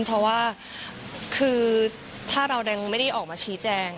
เพราะว่าคือถ้าเรายังไม่ได้ออกมาชี้แจง